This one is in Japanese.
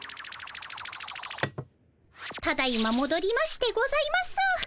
ただいまもどりましてございます。